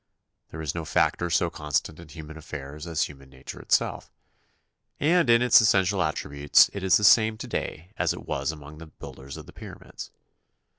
There is no factor so con stant in human affairs as human nature itself, and in its essential attributes it is the same to day as it was among the builders of the Pyramids.